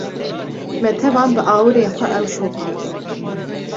Me tevan bi awirên xwe ew şopand